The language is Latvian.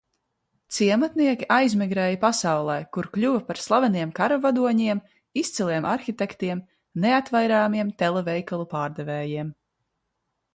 Ciematnieki aizmigr?ja pasaul?, kur k?uva par slaveniem karavado?iem, izciliem arhitektiem, neatvair?miem televeikalu p?rdev?jiem.